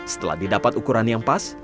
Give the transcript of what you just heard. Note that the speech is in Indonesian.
setelah didapat ukuran yang pas